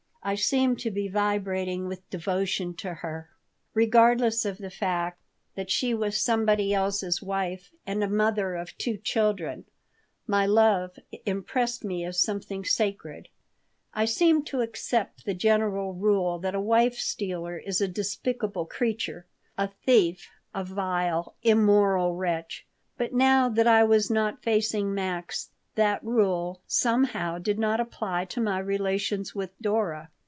I seemed to be vibrating with devotion to her. Regardless of the fact that she was somebody else's wife and a mother of two children, my love impressed me as something sacred. I seemed to accept the general rule that a wife stealer is a despicable creature, a thief, a vile, immoral wretch. But now, that I was not facing Max, that rule, somehow, did not apply to my relations with Dora.